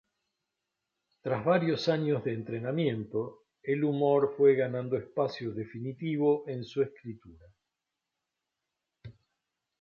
Tras varios años de entrenamiento, el humor fue ganando espacio definitivo en su escritura.